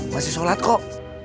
masih sholat kok